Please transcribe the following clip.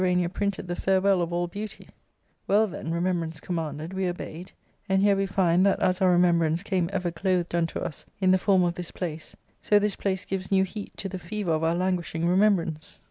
an:a printed the farewell of all beauty?' Well, then, iuvm) aice commanded, we obeyed, and here we find, h.5.t :a^ our remembrance came ever clothed unto us in the t»r'Ti of iliis place, so this place give* new heat to the fever 1: ^'"*' languishing jfimembrance.